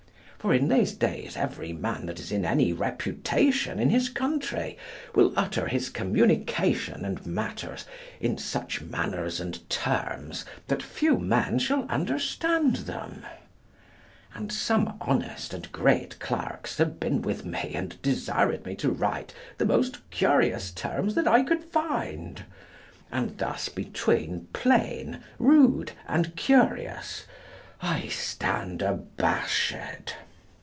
For in these days every man that is in any reputation in his country will utter his communication and matters in such manners and terms that few men shall understand them. And some honest and great clerks have been with me and desired me to write the most curious terms that I could find; and thus between plain, rude and curious I stand abashed.